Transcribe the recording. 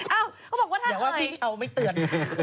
อ้าวเขาบอกว่าถ้าเอ๋ยอยากว่าพี่เชียวไม่เตือน